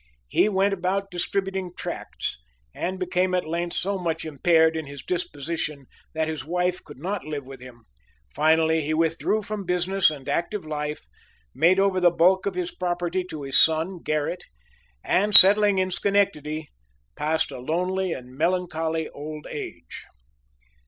He went about distributing tracts, and became at length so much impaired in his disposition that his wife could not live with him; finally, he withdrew from business and active life, made over the bulk of his property to his son, Gerrit, and, settling in Schenectady, passed a lonely and melancholy old age.